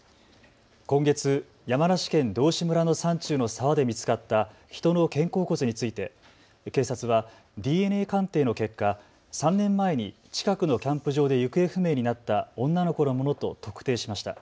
今月、山梨県道志村の山中の沢で見つかった人の肩甲骨について警察はＤＮＡ鑑定の結果、３年前に近くのキャンプ場で行方不明になった女の子のものと特定しました。